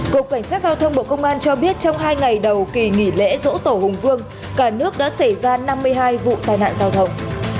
cục cảnh sát giao thông bộ công an cho biết trong hai ngày đầu kỳ nghỉ lễ dỗ tổ hùng vương cả nước đã xảy ra năm mươi hai vụ tai nạn giao thông